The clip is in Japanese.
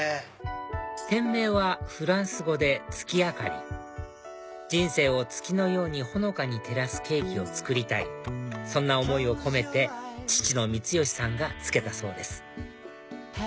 店名はフランス語で「月明かり」人生を月のようにほのかに照らすケーキを作りたいそんな思いを込めて父の光美さんが付けたそうです